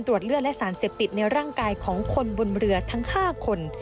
เลือดและสารเสพติดในร่างกายของคนบนเรือทั้ง๕คน